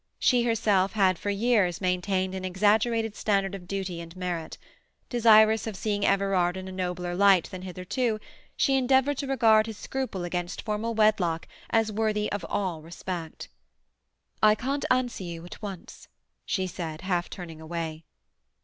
She herself had for years maintained an exaggerated standard of duty and merit; desirous of seeing Everard in a nobler light than hitherto, she endeavoured to regard his scruple against formal wedlock as worthy of all respect. "I can't answer you at once," she said, half turning away.